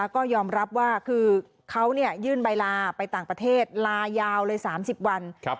ก็ยอมรับว่าคือเขายื่นใบลาไปต่างประเทศลายาวเลย๓๐วัน